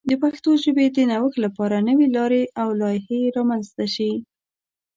د پښتو ژبې د نوښت لپاره نوې لارې او لایحې رامنځته شي.